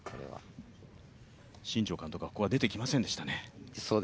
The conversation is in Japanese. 新庄監督は、ここは出てきませんでしたね。